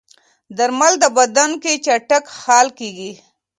درمل د بدن کې چټک حل کېږي.